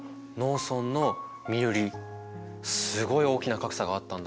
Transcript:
すごい大きな格差があったんだね。